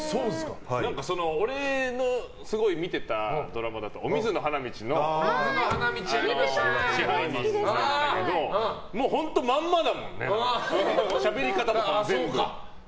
俺の、すごい見ていたドラマだと「お水の花道」の支配人なんだけど本当、まんまだもんねしゃべり方とか、全部。